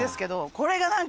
これが何か。